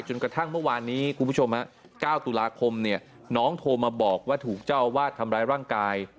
จนกระทั่งเมื่อวานนี้คุณผู้ชม๙ตุลาคมเนี่ยน้องโทรมาบอกว่าถูกเจ้าอาวาสทำร้ายร่างกาย